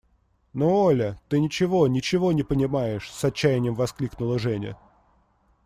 – Но, Оля, ты ничего, ничего не понимаешь! – с отчаянием воскликнула Женя.